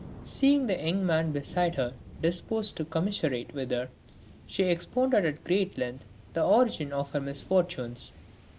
Seeing the young man beside her disposed to commiserate with her, she expounded at great length the origin of her misfortunes.